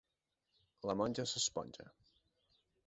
La monja s'esponja.